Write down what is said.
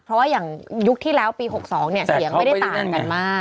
เพราะว่าอย่างยุคที่แล้วปี๖๒เนี่ยเสียงไม่ได้ต่างกันมาก